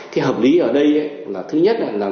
thì hợp lý ở đây thứ nhất là ngành